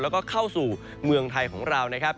แล้วก็เข้าสู่เมืองไทยของเรานะครับ